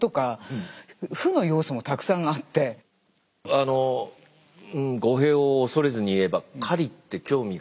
あの語弊を恐れずに言えば狩りって興味があったんですよ